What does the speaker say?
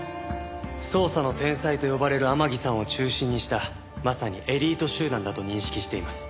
捜査の天才と呼ばれる天樹さんを中心にしたまさにエリート集団だと認識しています。